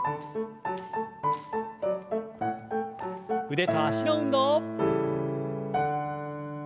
腕と脚の運動。